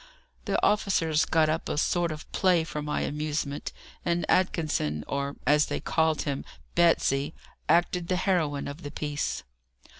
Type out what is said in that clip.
The officers got up a sort of play for my amusement, and Atkinson, or, as they called him, Betsy, acted the heroine of the piece.